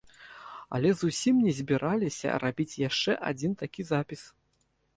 Але зусім не збіраліся рабіць яшчэ адзін такі запіс.